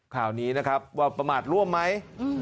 ข่าวนี้นะครับว่าประมาทร่วมไหม